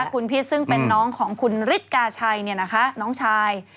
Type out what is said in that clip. คุณพิษซึ่งเป็นน้องของคุณฤทธิกาชัยน้องชาย